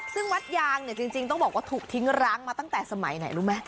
ซึ่งวัดยางเนี่ยจริงต้องบอกว่าถูกทิ้งร้างมาตั้งแต่สมัยไหนรู้ไหม